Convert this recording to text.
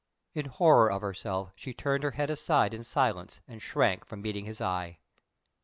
In horror of herself, she turned her head aside in silence and shrank from meeting his eye.